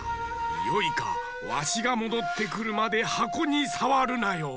よいかわしがもどってくるまではこにさわるなよ。